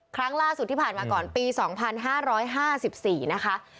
ครั้งล่าสุดที่ผ่านมาก่อนปีสองพันห้าร้อยห้าสิบสี่นะคะ